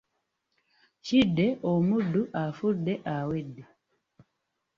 Kidde omuddu afudde awedde.